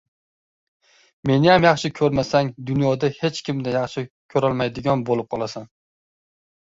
— Meniyam yaxshi ko‘rmasang, dunyoda hech kimni yaxshi ko‘rolmaydigan bo‘lib qolasan.